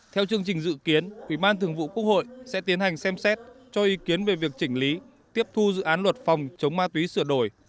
theo chương trình dự kiến ubthq sẽ tiến hành xem xét cho ý kiến về việc chỉnh lý tiếp thu dự án luật phòng chống ma túy sửa đổi